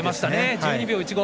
１２秒１５。